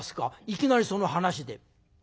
いきなりその話で？